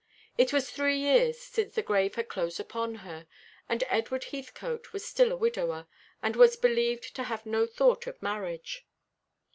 It was three years since the grave had closed upon her, and Edward Heathcote was still a widower, and was believed to have no thought of marriage.